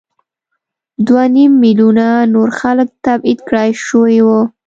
دوه نیم میلیونه نور خلک تبعید کړای شوي وو.